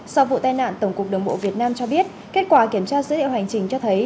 sau vụ tai nạn tổng cục đường bộ việt nam cho biết kết quả kiểm tra dữ liệu hành trình cho thấy